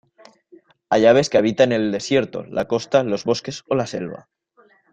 Hay aves que habitan el desierto, la costa, los bosques o la selva.